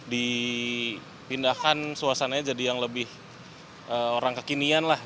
dipindahkan suasananya jadi yang lebih orang kekinian lah